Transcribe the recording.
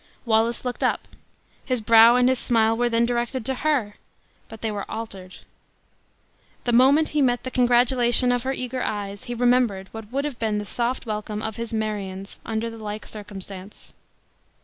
Wallace looked up; his brow and his smile were then directed to her! but they were altered. The moment he met the congratulation of her eager eyes, he remembered what would have been the soft welcome of his Marion's under the like circumstance!